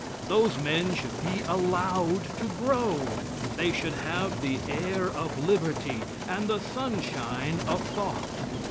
Those men should be allowed to grow. They should have the air of liberty and the sunshine of thought.